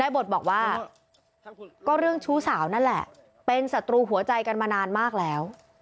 บทบอกว่าก็เรื่องชู้สาวนั่นแหละเป็นศัตรูหัวใจกันมานานมากแล้ว